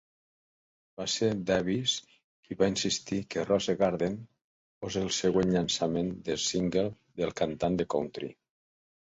Va ser Davis qui va insistir que "Rose Garden" fos el següent llançament de single del cantant de country.